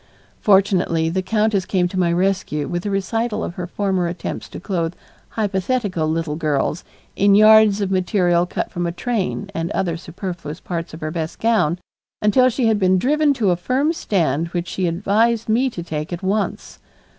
Fortunately the countess came to my rescue with a recital of her former attempts to clothe hypothetical little girls in yards of material cut from a train and other superfluous parts of her best gown until she had been driven to a firm stand which she advised me to take at once.